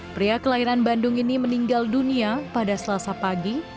pria kelahiran bandung ini meninggal dunia pada selasa pagi